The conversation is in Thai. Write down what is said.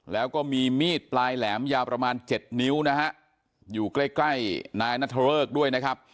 แล้วก็มีมีดปลายแหลมยาวประมาณ๗นิ้วนะฮะอยู่ใกล้ใกล้นายนัทเริกด้วยนะครับ